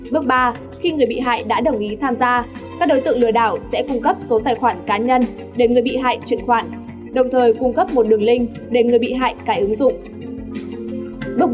bước ba khi người bị hại đã đồng ý tham gia các đối tượng lừa đảo sẽ cung cấp số tài khoản cá nhân để người bị hại chuyển khoản đồng thời cung cấp một đường link để người bị hại cải ứng dụng